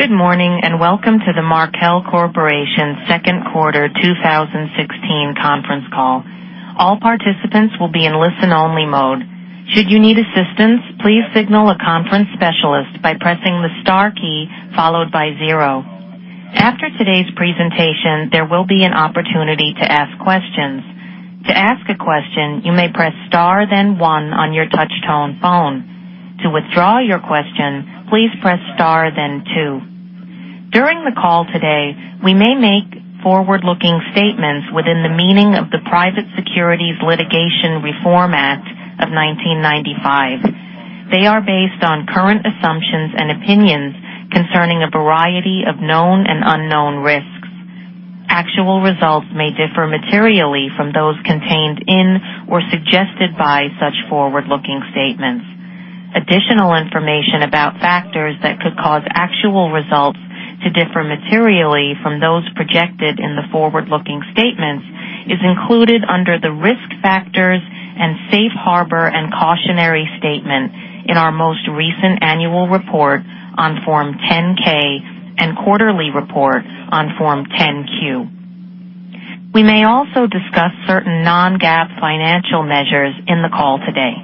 Good morning, and welcome to the Markel Corporation second quarter 2016 conference call. All participants will be in listen-only mode. Should you need assistance, please signal a conference specialist by pressing the star key followed by zero. After today's presentation, there will be an opportunity to ask questions. To ask a question, you may press star then one on your touchtone phone. To withdraw your question, please press star then two. During the call today, we may make forward-looking statements within the meaning of the Private Securities Litigation Reform Act of 1995. They are based on current assumptions and opinions concerning a variety of known and unknown risks. Actual results may differ materially from those contained in or suggested by such forward-looking statements. Additional information about factors that could cause actual results to differ materially from those projected in the forward-looking statements is included under the Risk Factors and Safe Harbor and Cautionary Statement in our most recent annual report on Form 10-K and quarterly report on Form 10-Q. We may also discuss certain non-GAAP financial measures in the call today.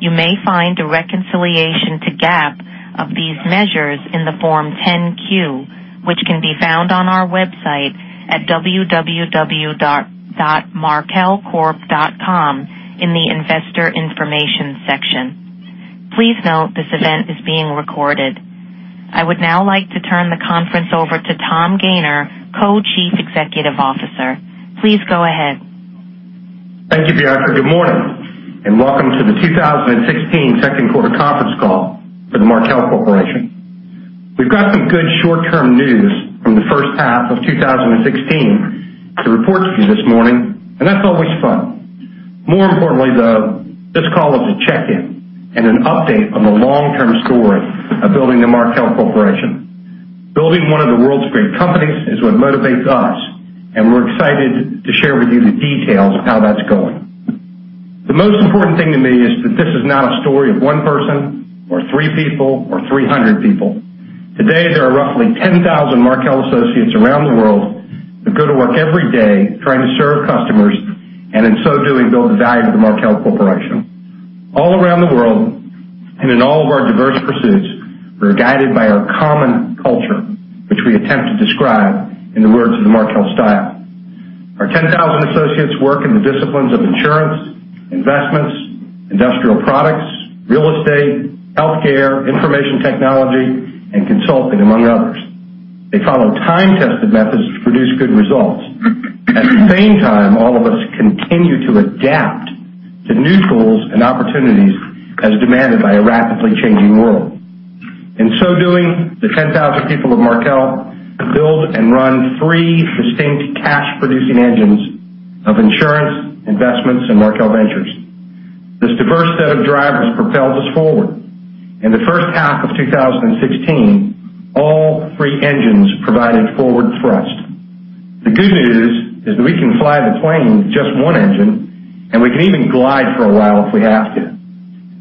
You may find a reconciliation to GAAP of these measures in the Form 10-Q, which can be found on our website at www.markelcorp.com in the Investor Information section. Please note this event is being recorded. I would now like to turn the conference over to Tom Gayner, Co-Chief Executive Officer. Please go ahead. Thank you, Bianca. Good morning, and welcome to the 2016 second quarter conference call for the Markel Corporation. We've got some good short-term news from the first half of 2016 to report to you this morning, and that's always fun. More importantly, though, this call is a check-in and an update on the long-term story of building the Markel Corporation. Building one of the world's great companies is what motivates us, and we're excited to share with you the details of how that's going. The most important thing to me is that this is not a story of one person or three people or 300 people. Today, there are roughly 10,000 Markel associates around the world who go to work every day trying to serve customers, and in so doing, build the value of the Markel Corporation. All around the world, and in all of our diverse pursuits, we're guided by our common culture, which we attempt to describe in the words of The Markel Style. Our 10,000 associates work in the disciplines of insurance, investments, industrial products, real estate, healthcare, information technology, and consulting, among others. They follow time-tested methods to produce good results. At the same time, all of us continue to adapt to new tools and opportunities as demanded by a rapidly changing world. In so doing, the 10,000 people of Markel build and run three distinct cash-producing engines of insurance, investments, and Markel Ventures. This diverse set of drivers propels us forward. In the first half of 2016, all three engines provided forward thrust. The good news is that we can fly the plane with just one engine, and we can even glide for a while if we have to.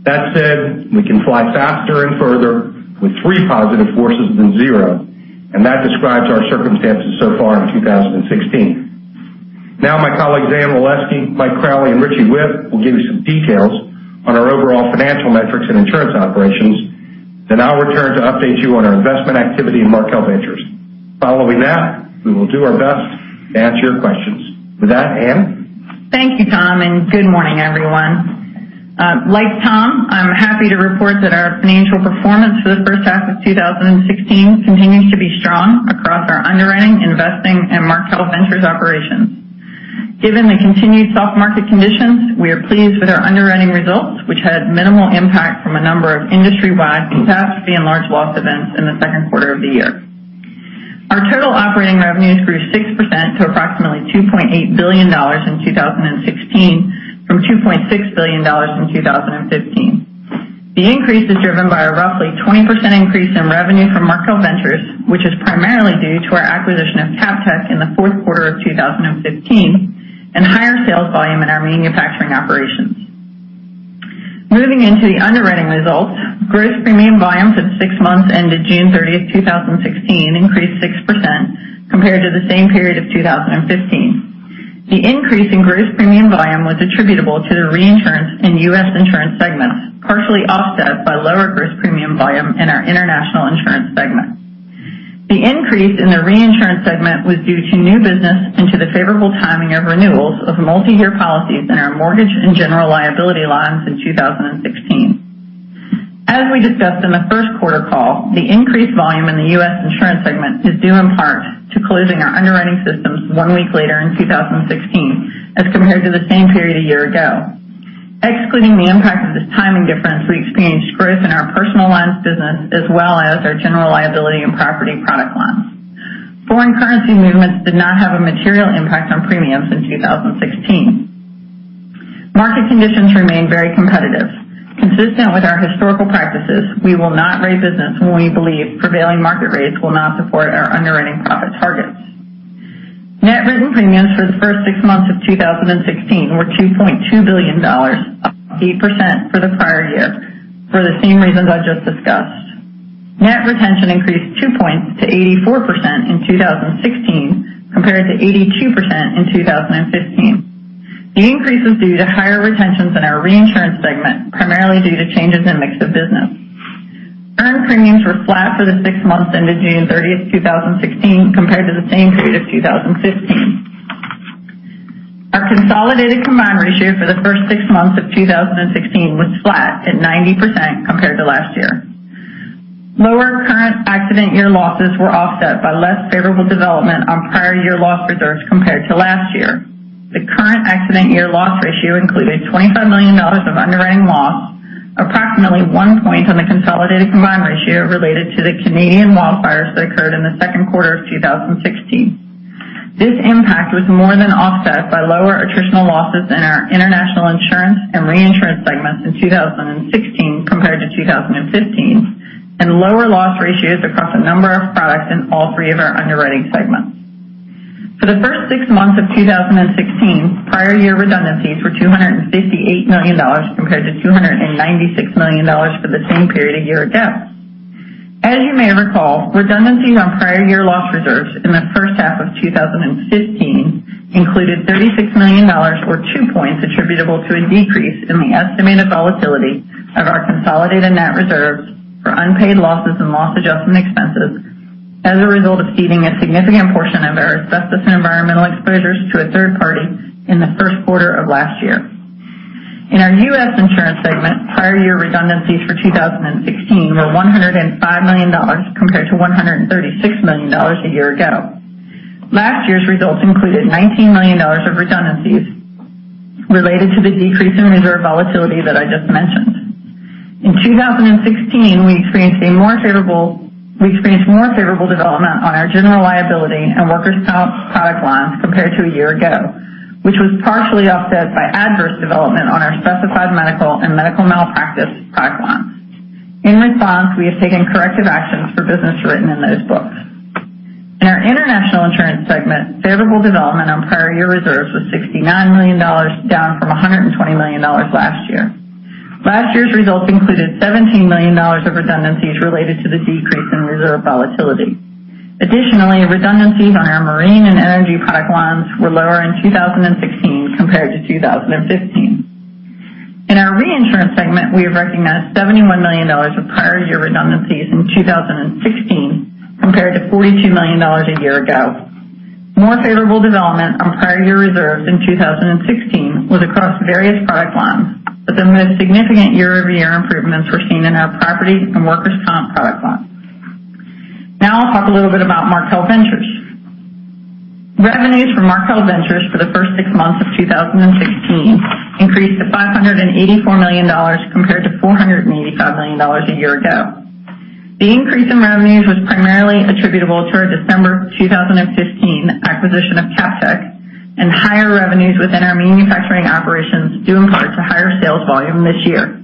That said, we can fly faster and further with three positive forces than zero, and that describes our circumstances so far in 2016. Now, my colleagues Anne Waleski, Mike Crowley, and Richie Whitt will give you some details on our overall financial metrics and insurance operations. I'll return to update you on our investment activity in Markel Ventures. Following that, we will do our best to answer your questions. With that, Anne? Thank you, Tom, and good morning, everyone. Like Tom, I'm happy to report that our financial performance for the first half of 2016 continues to be strong across our underwriting, investing, and Markel Ventures operations. Given the continued soft market conditions, we are pleased with our underwriting results, which had minimal impact from a number of industry-wide catastrophe and large loss events in the second quarter of the year. Our total operating revenues grew 6% to approximately $2.8 billion in 2016 from $2.6 billion in 2015. The increase is driven by a roughly 20% increase in revenue from Markel Ventures, which is primarily due to our acquisition of CapTech in the fourth quarter of 2015 and higher sales volume in our manufacturing operations. Moving into the underwriting results, gross premium volumes at the six months ended June 30th, 2016 increased 6% compared to the same period of 2015. The increase in gross premium volume was attributable to the reinsurance in U.S. insurance segments, partially offset by lower gross premium volume in our international insurance segment. The increase in the reinsurance segment was due to new business and to the favorable timing of renewals of multi-year policies in our mortgage and general liability lines in 2016. As we discussed in the first quarter call, the increased volume in the U.S. insurance segment is due in part to closing our underwriting systems one week later in 2016 as compared to the same period a year ago. Excluding the impact of this timing difference, we experienced growth in our personal lines business as well as our general liability and property product lines. Foreign currency movements did not have a material impact on premiums in 2016. Market conditions remain very competitive. Consistent with our historical practices, we will not raise business when we believe prevailing market rates will not support our underwriting profit targets. Net written premiums for the first six months of 2016 were $2.2 billion, up 8% for the prior year for the same reasons I just discussed. Net retention increased two points to 84% in 2016 compared to 82% in 2015. The increase is due to higher retentions in our reinsurance segment, primarily due to changes in mix of business. Earned premiums were flat for the six months ended June 30th, 2016, compared to the same period of 2015. Our consolidated combined ratio for the first six months of 2016 was flat at 90% compared to last year. Lower current accident year losses were offset by less favorable development on prior year loss reserves compared to last year. The current accident year loss ratio included $25 million of underwriting loss, approximately one point on the consolidated combined ratio related to the Canadian wildfires that occurred in the second quarter of 2016. This impact was more than offset by lower attritional losses in our international insurance and reinsurance segments in 2016 compared to 2015, and lower loss ratios across a number of products in all three of our underwriting segments. For the first six months of 2016, prior year redundancies were $258 million compared to $296 million for the same period a year ago. As you may recall, redundancies on prior year loss reserves in the first half of 2015 included $36 million or two points attributable to a decrease in the estimated volatility of our consolidated net reserves for unpaid losses and loss adjustment expenses as a result of ceding a significant portion of our asbestos and environmental exposures to a third party in the first quarter of last year. In our U.S. insurance segment, prior year redundancies for 2016 were $105 million compared to $136 million a year ago. Last year's results included $19 million of redundancies related to the decrease in reserve volatility that I just mentioned. In 2016, we experienced more favorable development on our general liability and workers' comp product lines compared to a year ago, which was partially offset by adverse development on our specified medical and medical malpractice product lines. In response, we have taken corrective actions for business written in those books. In our international insurance segment, favorable development on prior year reserves was $69 million, down from $120 million last year. Last year's results included $17 million of redundancies related to the decrease in reserve volatility. Additionally, redundancies on our marine and energy product lines were lower in 2016 compared to 2015. In our reinsurance segment, we have recognized $71 million of prior year redundancies in 2016 compared to $42 million a year ago. More favorable development on prior year reserves in 2016 was across various product lines, but the most significant year-over-year improvements were seen in our property and workers' comp product line. I'll talk a little bit about Markel Ventures. Revenues for Markel Ventures for the first six months of 2016 increased to $584 million compared to $485 million a year ago. The increase in revenues was primarily attributable to our December 2015 acquisition of CapTech and higher revenues within our manufacturing operations due in part to higher sales volume this year.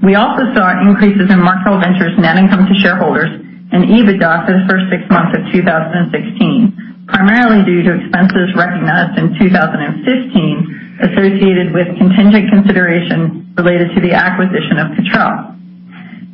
We also saw increases in Markel Ventures net income to shareholders and EBITDA for the first six months of 2016, primarily due to expenses recognized in 2015 associated with contingent consideration related to the acquisition of Cottrell.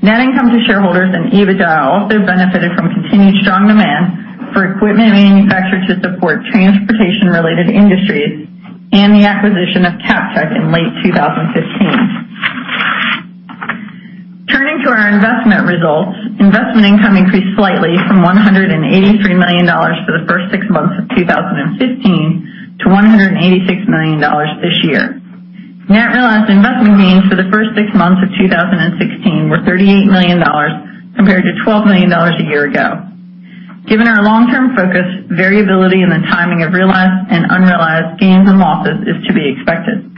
Net income to shareholders and EBITDA also benefited from continued strong demand for equipment manufactured to support transportation-related industries and the acquisition of CapTech in late 2015. Turning to our investment results, investment income increased slightly from $183 million for the first six months of 2015 to $186 million this year. Net realized investment gains for the first six months of 2016 were $38 million compared to $12 million a year ago. Given our long-term focus, variability in the timing of realized and unrealized gains and losses is to be expected.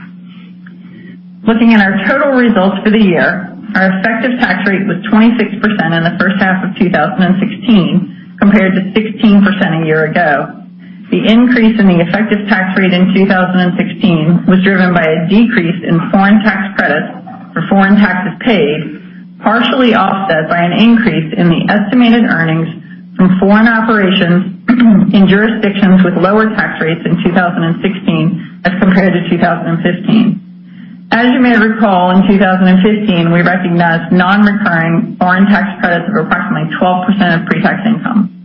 Looking at our total results for the year, our effective tax rate was 26% in the first half of 2016 compared to 16% a year ago. The increase in the effective tax rate in 2016 was driven by a decrease in foreign tax credits for foreign taxes paid, partially offset by an increase in the estimated earnings from foreign operations in jurisdictions with lower tax rates in 2016 as compared to 2015. As you may recall, in 2015, we recognized non-recurring foreign tax credits of approximately 12% of pre-tax income.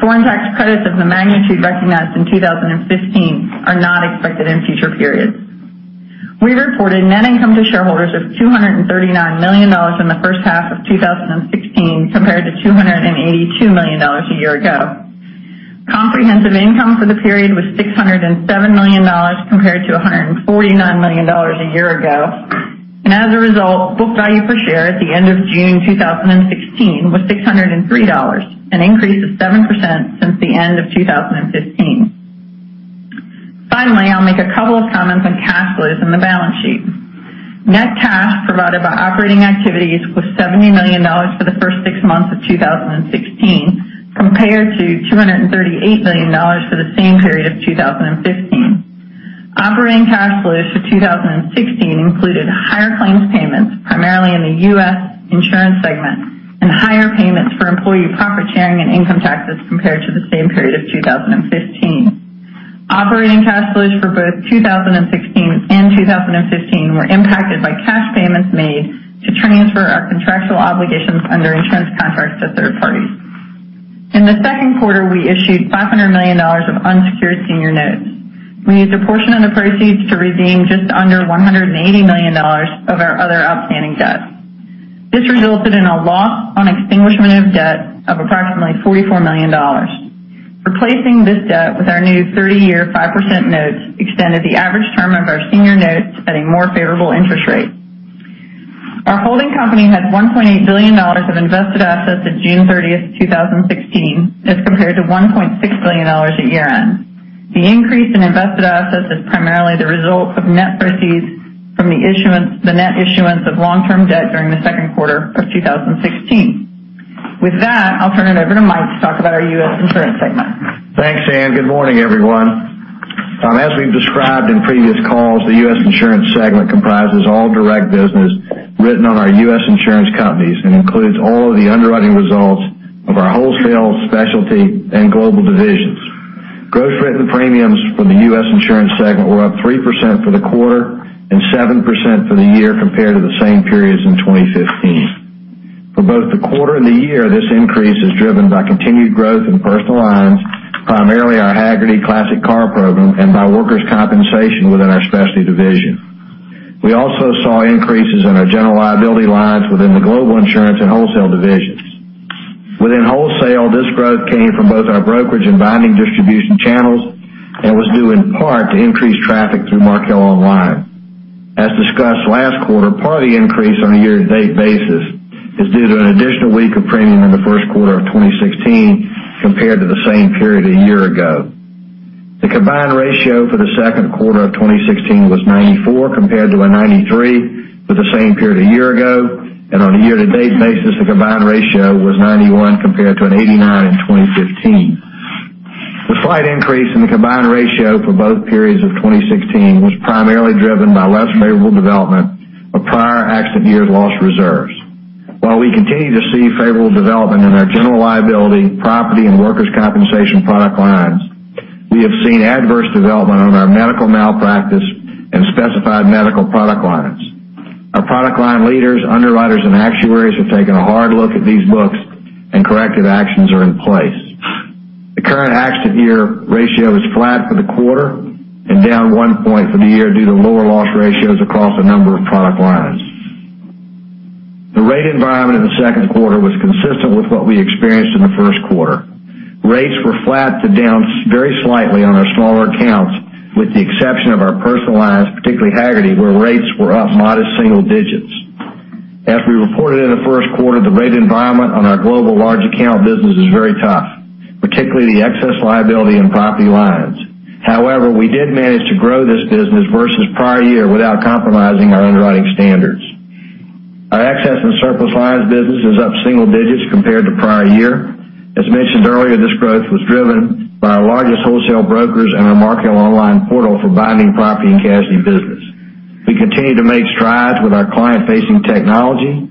Foreign tax credits of the magnitude recognized in 2015 are not expected in future periods. We reported net income to shareholders of $239 million in the first half of 2016 compared to $282 million a year ago. As a result, book value per share at the end of June 2016 was $603, an increase of 7% since the end of 2015. Finally, I'll make a couple of comments on cash flows in the balance sheet. Net cash provided by operating activities was $70 million for the first six months of 2016 compared to $238 million for the same period of 2015. Operating cash flows for 2016 included higher claims payments, primarily in the U.S. insurance segment, and higher payments for employee profit-sharing and income taxes compared to the same period of 2015. Operating cash flows for both 2016 and 2015 were impacted by cash payments made to transfer our contractual obligations under insurance contracts to third parties. In the second quarter, we issued $500 million of unsecured senior notes. We used a portion of the proceeds to redeem just under $180 million of our other outstanding debt. This resulted in a loss on extinguishment of debt of approximately $44 million. Replacing this debt with our new 30-year 5% notes extended the average term of our senior notes at a more favorable interest rate. Our holding company had $1.8 billion of invested assets at June 30th, 2016, as compared to $1.6 billion at year-end. The increase in invested assets is primarily the result of net proceeds from the net issuance of long-term debt during the second quarter of 2016. With that, I'll turn it over to Mike to talk about our U.S. insurance segment. Thanks, Anne. Good morning, everyone. As we've described in previous calls, the U.S. insurance segment comprises all direct business written on our U.S. insurance companies and includes all of the underwriting results of our wholesale, specialty, and global divisions. Gross written premiums for the U.S. insurance segment were up 3% for the quarter and 7% for the year compared to the same periods in 2015. For both the quarter and the year, this increase is driven by continued growth in personal lines, primarily our Hagerty classic car program, and by workers' compensation within our specialty division. We also saw increases in our general liability lines within the global insurance and wholesale divisions. Within wholesale, this growth came from both our brokerage and binding distribution channels and was due in part to increased traffic through Markel Online. As discussed last quarter, part of the increase on a year-to-date basis is due to an additional week of premium in the first quarter of 2016 compared to the same period a year ago. The combined ratio for the second quarter of 2016 was 94 compared to a 93 for the same period a year ago. On a year-to-date basis, the combined ratio was 91 compared to an 89 in 2015. The slight increase in the combined ratio for both periods of 2016 was primarily driven by less favorable development of prior accident years' loss reserves. While we continue to see favorable development in our general liability, property, and workers' compensation product lines, we have seen adverse development on our medical malpractice and specified medical product lines. Our product line leaders, underwriters, and actuaries have taken a hard look at these books and corrective actions are in place. The current accident year ratio is flat for the quarter and down one point for the year due to lower loss ratios across a number of product lines. The rate environment in the second quarter was consistent with what we experienced in the first quarter. Rates were flat to down very slightly on our smaller accounts, with the exception of our personal lines, particularly Hagerty, where rates were up modest single digits. As we reported in the first quarter, the rate environment on our global large account business is very tough, particularly the excess liability and property lines. However, we did manage to grow this business versus prior year without compromising our underwriting standards. Our excess and surplus lines business is up single digits compared to prior year. As mentioned earlier, this growth was driven by our largest wholesale brokers and our Markel Online portal for binding property and casualty business. We continue to make strides with our client-facing technology,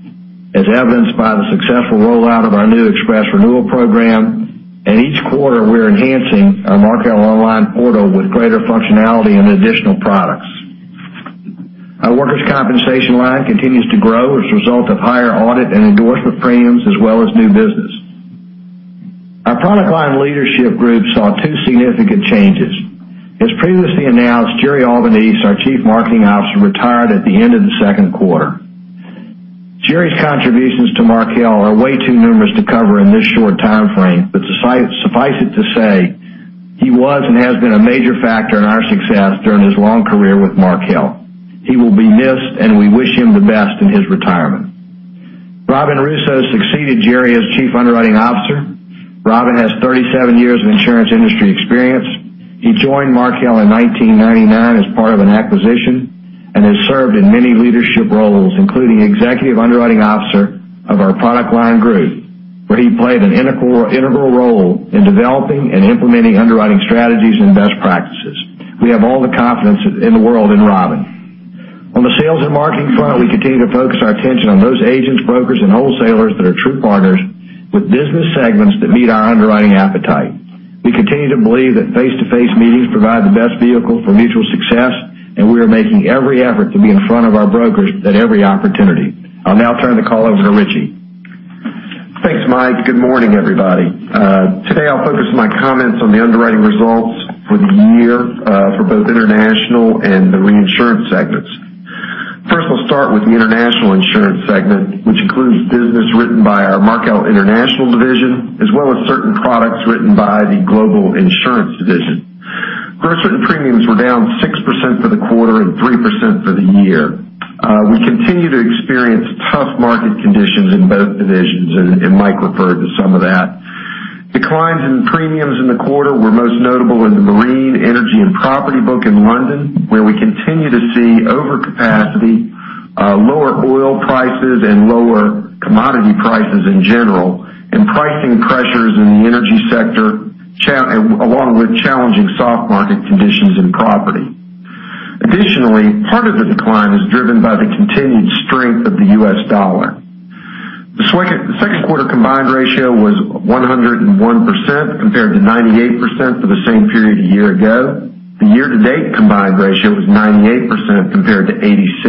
as evidenced by the successful rollout of our new Express Renewal program. Each quarter, we're enhancing our Markel Online portal with greater functionality and additional products. Our workers' compensation line continues to grow as a result of higher audit and endorsement premiums, as well as new business. Our product line leadership group saw two significant changes. As previously announced, Jerry Albanese, our Chief Marketing Officer, retired at the end of the second quarter. Jerry's contributions to Markel are way too numerous to cover in this short timeframe, but suffice it to say, he was and has been a major factor in our success during his long career with Markel. He will be missed. We wish him the best in his retirement. Robin Russo succeeded Jerry as Chief Underwriting Officer. Robin has 37 years of insurance industry experience. He joined Markel in 1999 as part of an acquisition and has served in many leadership roles, including Executive Underwriting Officer of our product line group, where he played an integral role in developing and implementing underwriting strategies and best practices. We have all the confidence in the world in Robin. On the sales and marketing front, we continue to focus our attention on those agents, brokers, and wholesalers that are true partners with business segments that meet our underwriting appetite. We continue to believe that face-to-face meetings provide the best vehicle for mutual success. We are making every effort to be in front of our brokers at every opportunity. I'll now turn the call over to Richie. Thanks, Mike. Good morning, everybody. Today I'll focus my comments on the underwriting results for the year for both International and the reinsurance segments. First, I'll start with the International Insurance segment, which includes business written by our Markel International division, as well as certain products written by the Global Insurance division. Gross written premiums were down 6% for the quarter and 3% for the year. We continue to experience tough market conditions in both divisions. Mike referred to some of that. Declines in premiums in the quarter were most notable in the marine energy and property book in London, where we continue to see overcapacity, lower oil prices and lower commodity prices in general, and pricing pressures in the energy sector, along with challenging soft market conditions in property. Part of the decline is driven by the continued strength of the U.S. dollar. The second quarter combined ratio was 101% compared to 98% for the same period a year ago. The year-to-date combined ratio was 98% compared to 86%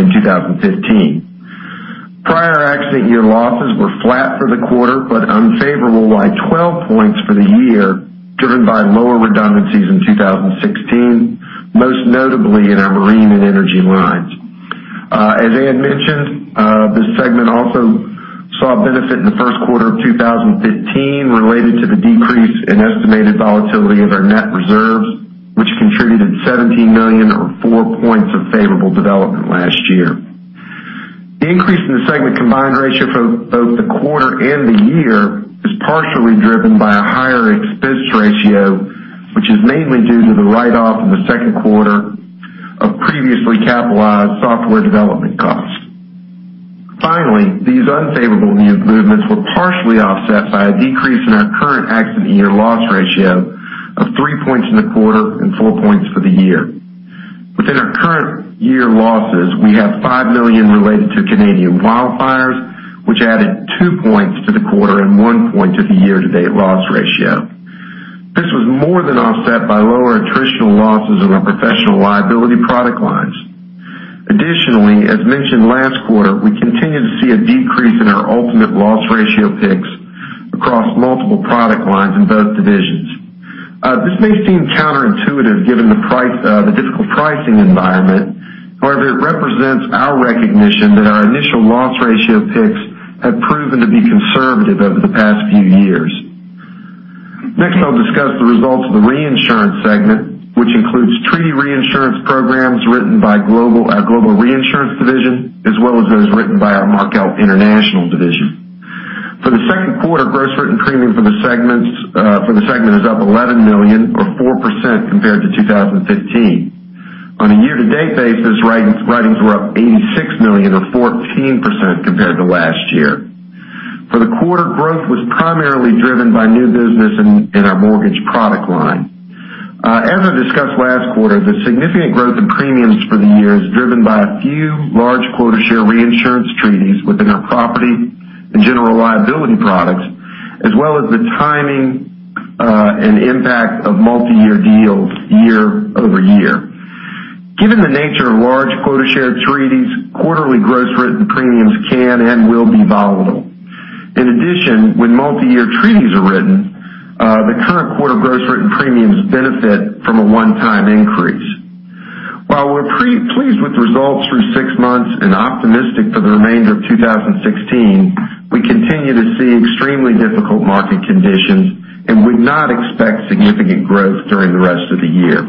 in 2015. Prior accident year losses were flat for the quarter, unfavorable by 12 points for the year, driven by lower redundancies in 2016, most notably in our marine and energy lines. As Anne mentioned, this segment also saw a benefit in the first quarter of 2015 related to the decrease in estimated volatility of our net reserves. It contributed $17 million or 4 points of favorable development last year. The increase in the segment combined ratio for both the quarter and the year is partially driven by a higher expense ratio. It is mainly due to the write-off in the second quarter of previously capitalized software development costs. These unfavorable new movements were partially offset by a decrease in our current accident year loss ratio of 3 points in the quarter and 4 points for the year. Within our current year losses, we have $5 million related to Canadian wildfires, which added 2 points to the quarter and 1 point to the year-to-date loss ratio. This was more than offset by lower attritional losses in our professional liability product lines. As mentioned last quarter, we continue to see a decrease in our ultimate loss ratio picks across multiple product lines in both divisions. This may seem counterintuitive given the difficult pricing environment. It represents our recognition that our initial loss ratio picks have proven to be conservative over the past few years. Next, I'll discuss the results of the reinsurance segment, which includes treaty reinsurance programs written by our global reinsurance division, as well as those written by our Markel International division. For the second quarter, gross written premium for the segment is up $11 million or 4% compared to 2015. On a year-to-date basis, writings were up $86 million or 14% compared to last year. For the quarter, growth was primarily driven by new business in our mortgage product line. As I discussed last quarter, the significant growth in premiums for the year is driven by a few large quota share reinsurance treaties within our property and general liability products, as well as the timing and impact of multi-year deals year-over-year. Given the nature of large quota share treaties, quarterly gross written premiums can and will be volatile. In addition, when multi-year treaties are written, the current quarter gross written premiums benefit from a one-time increase. While we're pleased with the results through six months and optimistic for the remainder of 2016, we continue to see extremely difficult market conditions and would not expect significant growth during the rest of the year.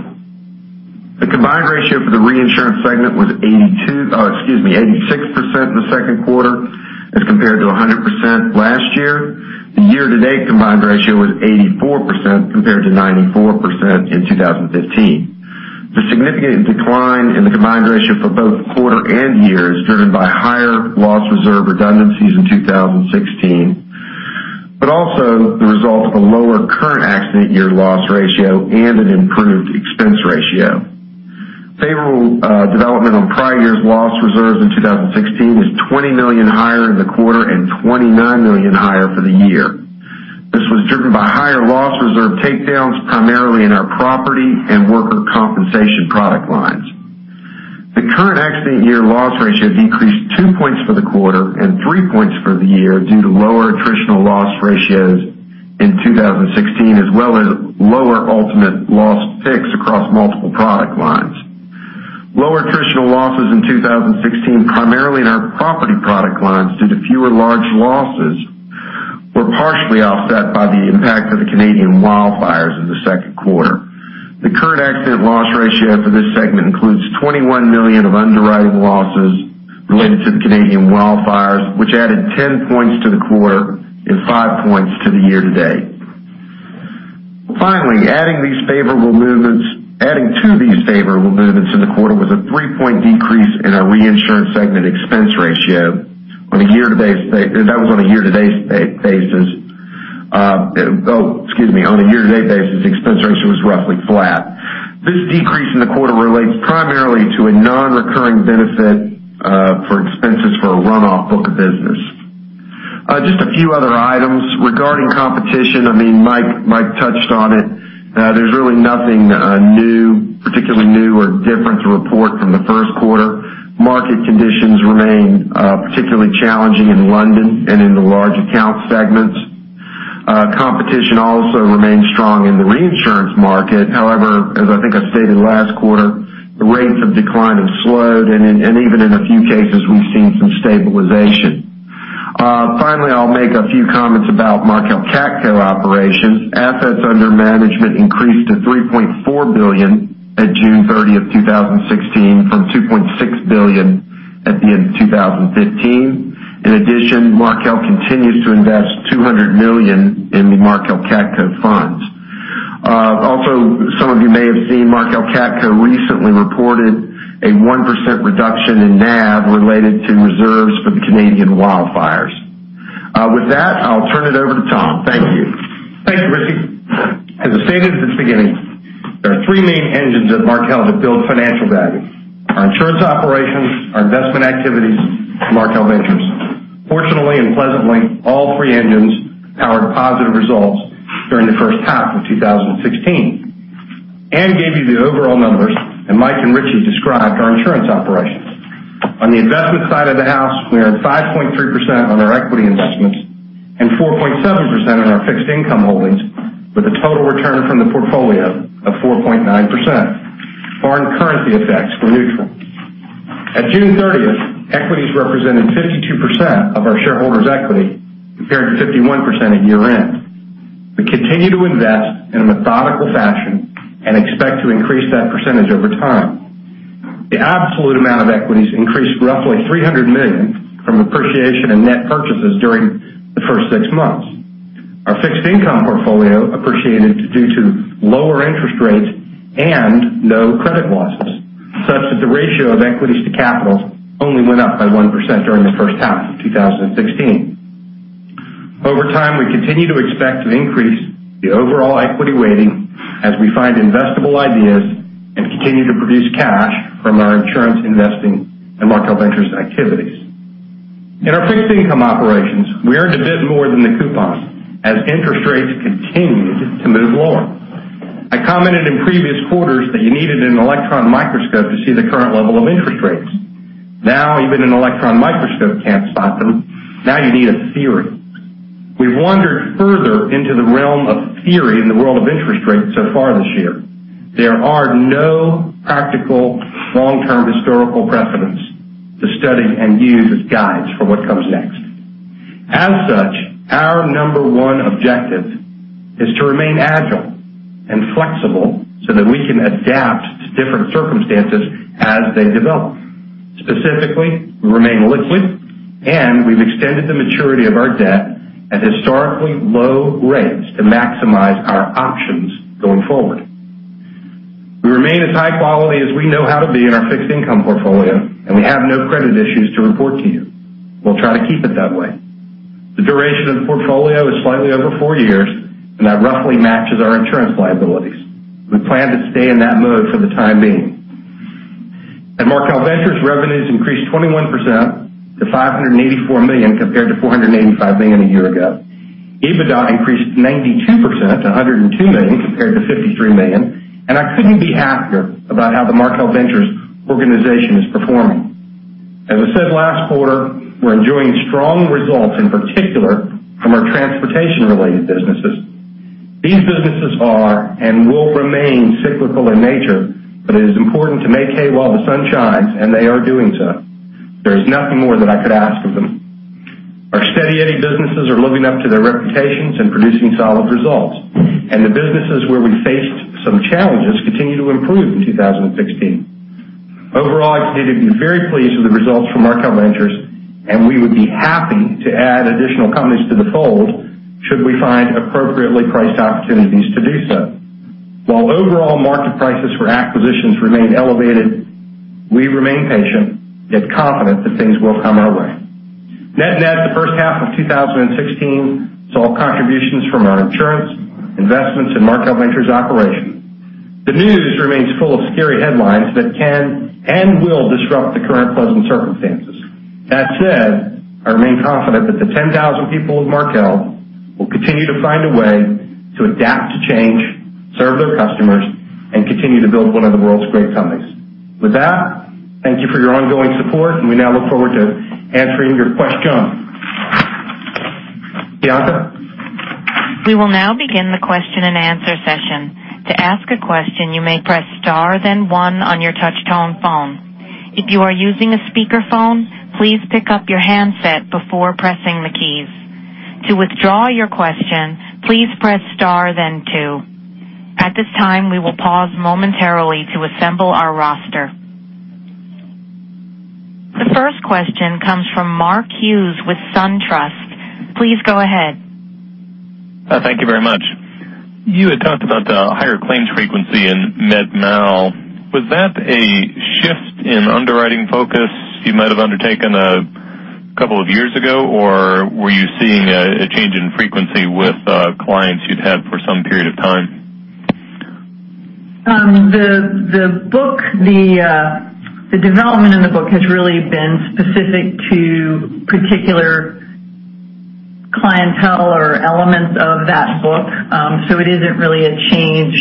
The combined ratio for the reinsurance segment was 86% in the second quarter as compared to 100% last year. The year-to-date combined ratio was 84% compared to 94% in 2015. The significant decline in the combined ratio for both quarter and year is driven by higher loss reserve redundancies in 2016, but also the result of a lower current accident year loss ratio and an improved expense ratio. Favorable development on prior years' loss reserves in 2016 was $20 million higher in the quarter and $29 million higher for the year. This was driven by higher loss reserve takedowns primarily in our property and workers' compensation product lines. The current accident year loss ratio decreased two points for the quarter and three points for the year due to lower attritional loss ratios in 2016, as well as lower ultimate loss picks across multiple product lines. Lower attritional losses in 2016, primarily in our property product lines due to fewer large losses, were partially offset by the impact of the Canadian wildfires in the second quarter. The current accident loss ratio for this segment includes $21 million of underwriting losses related to the Canadian wildfires, which added 10 points to the quarter and five points to the year-to-date. Finally, adding to these favorable movements in the quarter was a three-point decrease in our reinsurance segment expense ratio. On a year-to-date basis, the expense ratio was roughly flat. This decrease in the quarter relates primarily to a non-recurring benefit for expenses for a runoff book of business. Just a few other items. Regarding competition, Mike touched on it. There's really nothing particularly new or different to report from the first quarter. Market conditions remain particularly challenging in London and in the large account segments. Competition also remains strong in the reinsurance market. However, as I think I stated last quarter, the rates of decline have slowed, and even in a few cases, we've seen some stabilization. Finally, I'll make a few comments about Markel CATCo operations. Assets under management increased to $3.4 billion at June 30th, 2016 from $2.6 billion at the end of 2015. In addition, Markel continues to invest $200 million in the Markel CATCo funds. Some of you may have seen Markel CATCo recently reported a 1% reduction in NAV related to reserves for the Canadian wildfires. With that, I'll turn it over to Tom. Thank you. Thanks, Richie. As I stated at the beginning, there are three main engines at Markel that build financial value, our insurance operations, our investment activities, and Markel Ventures. Fortunately and pleasantly, all three engines powered positive results during the first half of 2016 and gave you the overall numbers that Mike and Richie described our insurance operations. On the investment side of the house, we earned 5.3% on our equity investments and 4.7% on our fixed income holdings, with a total return from the portfolio of 4.9%. Foreign currency effects were neutral. At June 30th, equities represented 52% of our shareholders' equity, compared to 51% at year-end. We continue to invest in a methodical fashion and expect to increase that percentage over time. The absolute amount of equities increased roughly $300 million from appreciation and net purchases during the first six months. Our fixed income portfolio appreciated due to lower interest rates and no credit losses, such that the ratio of equities to capital only went up by 1% during the first half of 2016. Over time, we continue to expect to increase the overall equity weighting as we find investable ideas and continue to produce cash from our insurance investing and Markel Ventures activities. In our fixed income operations, we earned a bit more than the coupon as interest rates continued to move lower. I commented in previous quarters that you needed an electron microscope to see the current level of interest rates. Now, even an electron microscope can't spot them. Now you need a theory. We've wandered further into the realm of theory in the world of interest rates so far this year. There are no practical long-term historical precedents to study and use as guides for what comes next. As such, our number 1 objective is to remain agile and flexible so that we can adapt to different circumstances as they develop. Specifically, we remain liquid, and we've extended the maturity of our debt at historically low rates to maximize our options going forward. We remain as high quality as we know how to be in our fixed income portfolio, and we have no credit issues to report to you. We'll try to keep it that way. The duration of the portfolio is slightly over four years, and that roughly matches our insurance liabilities. We plan to stay in that mode for the time being. At Markel Ventures, revenues increased 21% to $584 million compared to $485 million a year ago. EBITDA increased 92% to $102 million compared to $53 million, and I couldn't be happier about how the Markel Ventures organization is performing. As I said last quarter, we're enjoying strong results, in particular from our transportation-related businesses. These businesses are and will remain cyclical in nature, but it is important to make hay while the sun shines, and they are doing so. There is nothing more that I could ask of them. Our steady Eddie businesses are living up to their reputations and producing solid results, and the businesses where we faced some challenges continue to improve in 2016. Overall, I continue to be very pleased with the results from Markel Ventures, and we would be happy to add additional companies to the fold should we find appropriately priced opportunities to do so. While overall market prices for acquisitions remain elevated, we remain patient, yet confident that things will come our way. Net, the first half of 2016 saw contributions from our insurance, investments, and Markel Ventures operation. The news remains full of scary headlines that can and will disrupt the current pleasant circumstances. That said, I remain confident that the 10,000 people of Markel will continue to find a way to adapt to change, serve their customers, and continue to build one of the world's great companies. With that, thank you for your ongoing support, and we now look forward to answering your questions. Bianca? We will now begin the question and answer session. To ask a question, you may press star then one on your touch tone phone. If you are using a speakerphone, please pick up your handset before pressing the keys. To withdraw your question, please press star then two. At this time, we will pause momentarily to assemble our roster. The first question comes from Mark Hughes with SunTrust. Please go ahead. Thank you very much. You had talked about the higher claims frequency in med mal. Was that a shift in underwriting focus you might have undertaken a couple of years ago, or were you seeing a change in frequency with clients you'd had for some period of time? The development in the book has really been specific to particular clientele or elements of that book. It isn't really a change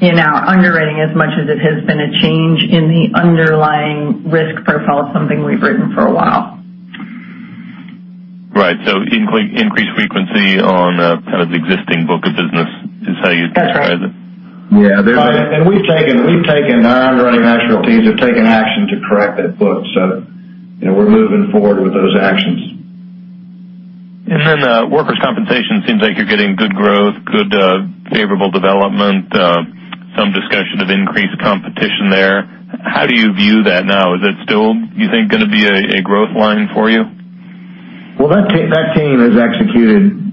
in our underwriting as much as it has been a change in the underlying risk profile of something we've written for a while. Right. Increased frequency on kind of the existing book of business is how you'd describe it? That's right. Yeah. Our underwriting casualties have taken action to correct that book. We're moving forward with those actions. Workers' compensation, seems like you're getting good growth, good favorable development, some discussion of increased competition there. How do you view that now? Is it still, you think, going to be a growth line for you? That team has executed,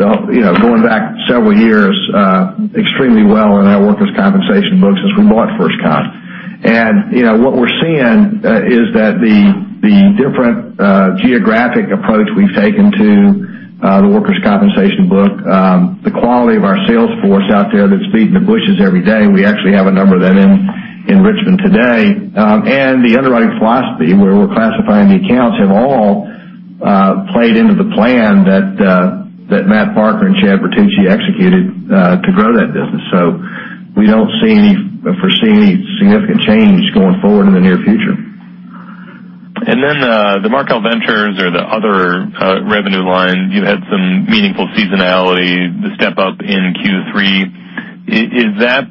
going back several years, extremely well in our workers' compensation book since we bought FirstComp. What we're seeing is that the different geographic approach we've taken to the workers' compensation book, the quality of our sales force out there that's beating the bushes every day, we actually have a number of them in Richmond today. The underwriting philosophy, where we're classifying the accounts, have all played into the plan that Matt Parker and Chad Bertucci executed to grow that business. We don't foresee any significant change going forward in the near future. Then the Markel Ventures or the other revenue line, you had some meaningful seasonality, the step up in Q3. Is there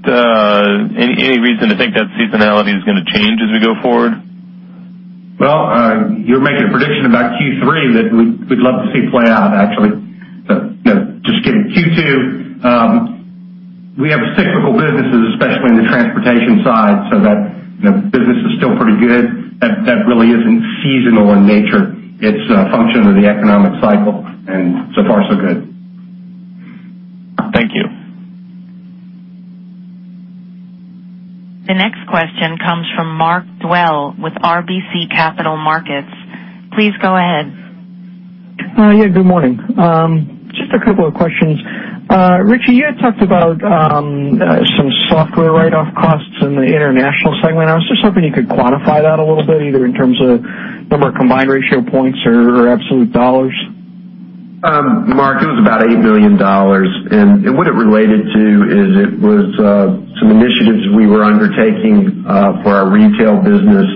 any reason to think that seasonality is going to change as we go forward? You're making a prediction about Q3 that we'd love to see play out, actually. Just kidding. Q2, we have cyclical businesses, especially in the transportation side, that business is still pretty good. That really isn't seasonal in nature. It's a function of the economic cycle. So far, so good. Thank you. The next question comes from Mark Dwelle with RBC Capital Markets. Please go ahead. Yeah, good morning. Just a couple of questions. Richie, you had talked about some software write-off costs in the international segment. I was just hoping you could quantify that a little bit, either in terms of number of combined ratio points or absolute dollars. Mark, it was about $8 million. What it related to is it was some initiatives we were undertaking for our retail business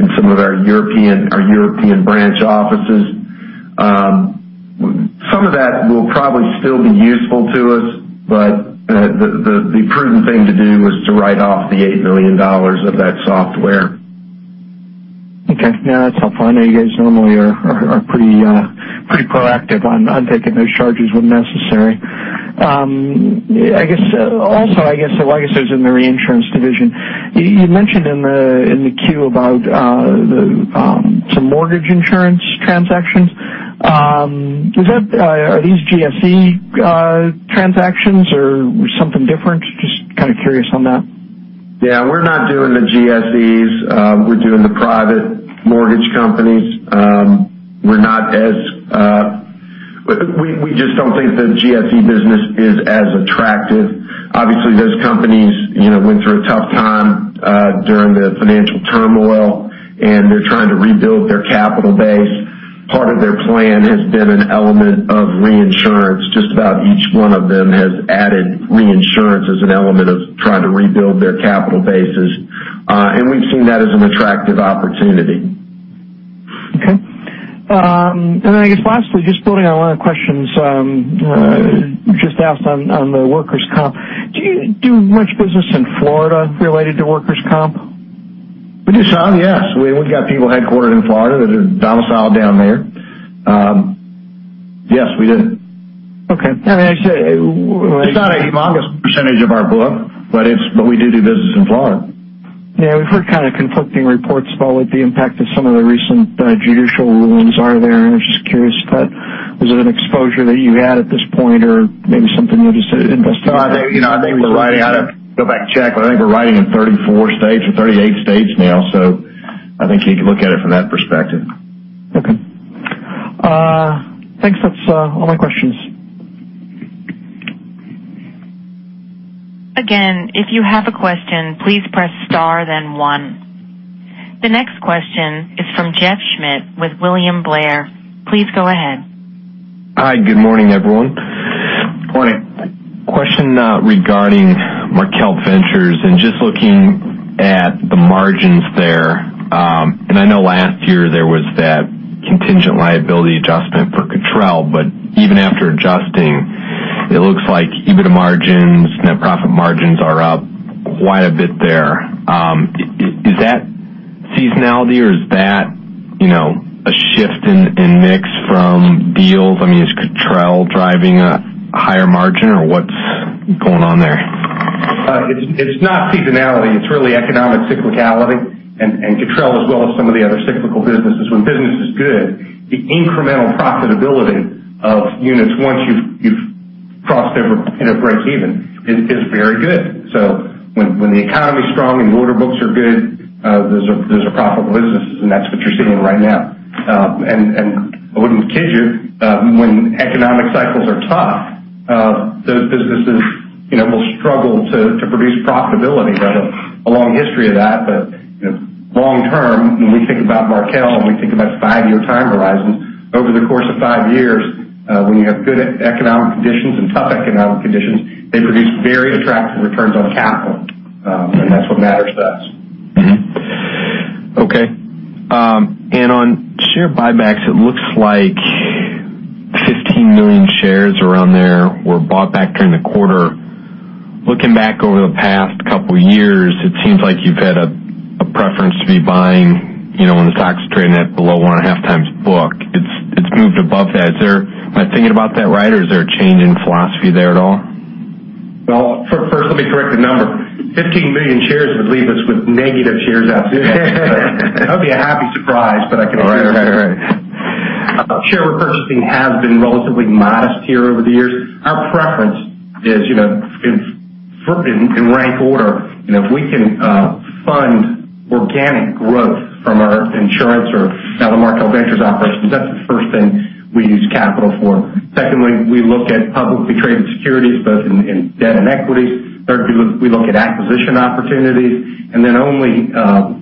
in some of our European branch offices. Some of that will probably still be useful to us, but the prudent thing to do was to write off the $8 million of that software. Okay. Yeah, that's helpful. I know you guys normally are pretty proactive on taking those charges when necessary. Also, I guess this is in the reinsurance division. You mentioned in the Q about some mortgage insurance transactions. Are these GSE transactions or something different? Just kind of curious on that. Yeah. We're not doing the GSEs. We're doing the private mortgage companies. We just don't think the GSE business is as attractive. Obviously, those companies went through a tough time during the financial turmoil, and they're trying to rebuild their capital base. Part of their plan has been an element of reinsurance. Just about each one of them has added reinsurance as an element of trying to rebuild their capital bases. We've seen that as an attractive opportunity. Okay. I guess lastly, just building on one of the questions just asked on the workers' comp. Do you do much business in Florida related to workers' comp? We do some, yes. We've got people headquartered in Florida that are domiciled down there. Yes, we do. Okay. It's not a humongous percentage of our book, we do business in Florida. Yeah, we've heard kind of conflicting reports about what the impact of some of the recent judicial rulings are there. We're just curious if that was an exposure that you had at this point or maybe something you'll just investigate. I'd have to go back and check, I think we're writing in 34 states or 38 states now. I think you could look at it from that perspective. Okay. Thanks. That's all my questions. Again, if you have a question, please press star, then one. The next question is from Jeff Schmitt with William Blair. Please go ahead. Hi. Good morning, everyone. Morning. Question regarding Markel Ventures and just looking at the margins there. I know last year there was that contingent liability adjustment for Cottrell, but even after adjusting, it looks like EBITDA margins, net profit margins are up quite a bit there. Is that seasonality or is that a shift in mix from deals? I mean, is Cottrell driving a higher margin or what's going on there? It's not seasonality. It's really economic cyclicality in Cottrell as well as some of the other cyclical businesses. When business is good, the incremental profitability of units once you've crossed over and it breaks even, is very good. When the economy's strong and the order books are good, those are profitable businesses, and that's what you're seeing right now. I wouldn't kid you, when economic cycles are tough, those businesses will struggle to produce profitability. We have a long history of that. Long term, when we think about Markel and we think about five-year time horizons, over the course of five years, when you have good economic conditions and tough economic conditions, they produce very attractive returns on capital. That's what matters to us. Okay. On share buybacks, it looks like 15 million shares around there were bought back during the quarter. Looking back over the past couple of years, it seems like you've had a preference to be buying when the stock's trading at below one and a half times book. It's moved above that. Am I thinking about that right or is there a change in philosophy there at all? First, let me correct the number. [$15 million shares] would leave us with negative shares outstanding. That would be a happy surprise, but I can assure you. Right. Share repurchasing has been relatively modest here over the years. Our preference is, in rank order, if we can fund organic growth from our insurance or now the Markel Ventures operations, that's the first thing we use capital for. Secondly, we look at publicly traded securities, both in debt and equity. Third, we look at acquisition opportunities, then only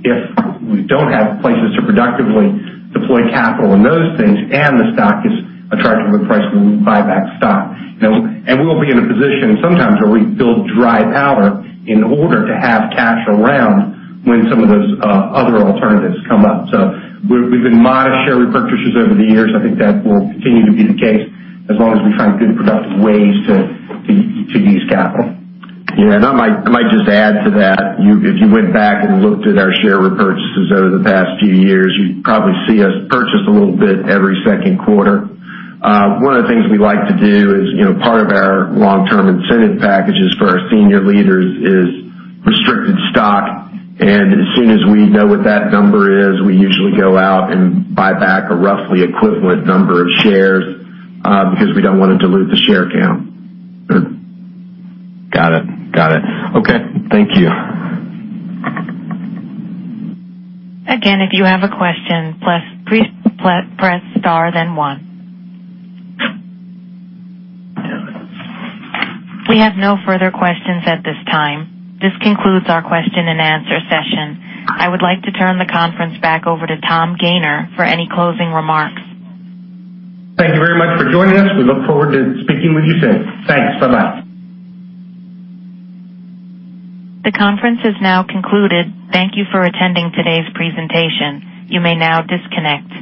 if we don't have places to productively deploy capital in those things and the stock is attractive of a price, will we buy back stock. We'll be in a position sometimes where we build dry powder in order to have cash around when some of those other alternatives come up. We've been modest share repurchasers over the years. I think that will continue to be the case as long as we find good, productive ways to use capital. I might just add to that, if you went back and looked at our share repurchases over the past few years, you'd probably see us purchase a little bit every second quarter. One of the things we like to do as part of our long-term incentive packages for our senior leaders is restricted stock. As soon as we know what that number is, we usually go out and buy back a roughly equivalent number of shares because we don't want to dilute the share count. Got it. Okay. Thank you. Again, if you have a question, please press star then one. We have no further questions at this time. This concludes our question and answer session. I would like to turn the conference back over to Tom Gayner for any closing remarks. Thank you very much for joining us. We look forward to speaking with you soon. Thanks. Bye-bye. The conference has now concluded. Thank you for attending today's presentation. You may now disconnect.